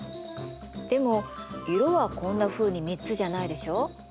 でも色はこんなふうに３つじゃないでしょう？